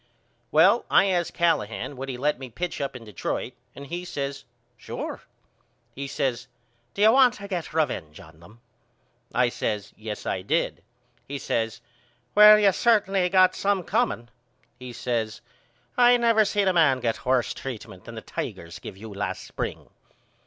Well I asked Callahan would he let me pitch up to Detroit and he says Sure. He says Do you want to get revenge on them? I says, Yes I did. He says Well you have certainly got some comeing. He says I never seen no man get worse treatment than them Tigers give you last spring.